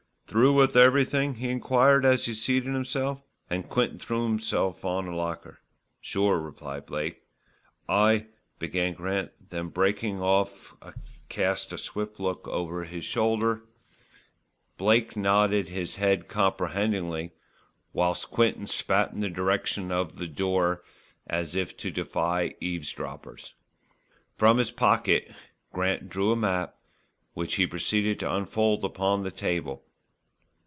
"Through with everything?" he enquired, as he seated himself, and Quinton threw himself on a locker. "Sure," replied Blake. "I " began Grant, then breaking off cast a swift look over his shoulder. Blake nodded his head comprehendingly, whilst Quinton spat in the direction of the door as if to defy eavesdroppers. From his pocket Grant drew a map, which he proceeded to unfold upon the table.